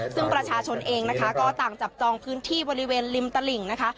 ซึ่งประชาชนเองนะคะก็ต่างจับจองพื้นที่บริเวณริมตลิ่งนะคะ